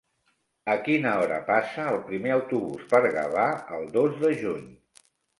A quina hora passa el primer autobús per Gavà el dos de juny?